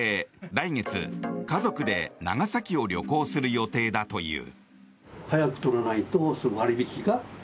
来月、家族で長崎を旅行する予定だという。